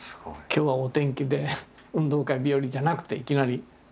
「今日はお天気で運動会日和」じゃなくていきなり。